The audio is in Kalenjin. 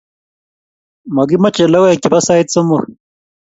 makimache lokoek che po sait somok